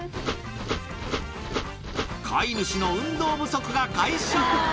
飼い主の運動不足が解消。